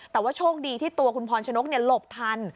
แต่ว่าโชคดีที่ตัวคุณพรชนกหลบทัน